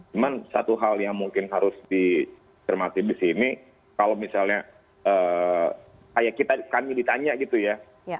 cuma satu hal yang mungkin harus dicermati di sini kalau misalnya kayak kami ditanya gitu ya